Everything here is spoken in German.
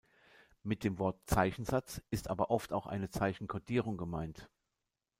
Mit dem Wort "Zeichensatz" ist aber oft auch eine Zeichenkodierung gemeint.